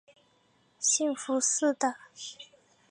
兴福寺的。